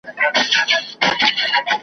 د سیالانو په ټولۍ کي قافلې روانومه .